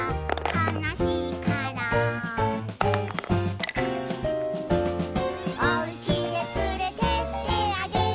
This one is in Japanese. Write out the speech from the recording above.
「かなしいから」「おうちへつれてってあげよ」